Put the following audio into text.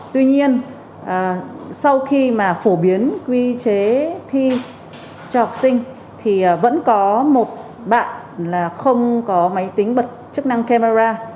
tuy nhiên sau khi mà phổ biến quy chế thi cho học sinh thì vẫn có một bạn là không có máy tính bật chức năng camera